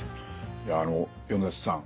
いやあの米瀬さん